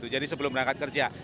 jadi sebelum berangkat kerja